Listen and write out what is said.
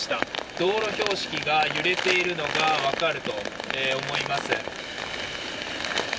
道路標識が揺れているのが分かると思います。